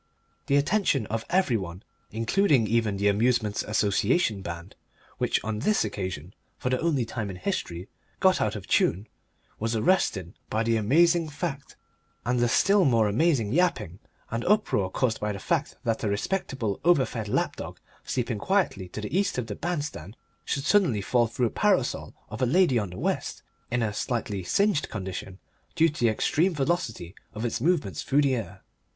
The attention of every one including even the Amusements' Association band, which on this occasion, for the only time in its history, got out of tune was arrested by the amazing fact, and the still more amazing yapping and uproar caused by the fact that a respectable, over fed lap dog sleeping quietly to the east of the bandstand should suddenly fall through the parasol of a lady on the west in a slightly singed condition due to the extreme velocity of its movements through the air.